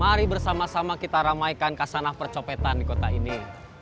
mari bersama sama kita ramaikan kasanah percopetan di kota ini